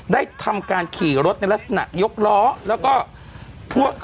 ได้ทำการขี่รถนั่นล่ะยกล้อแล้วก็